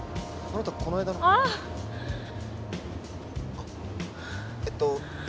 あっえっと。